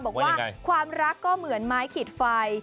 บอกว่าความรักก็เหมือนไม้ขีดไฟ